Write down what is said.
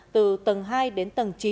từ tầng hai đến tầng chín